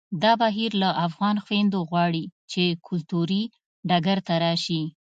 دا بهیر له افغانو خویندو غواړي چې کلتوري ډګر ته راشي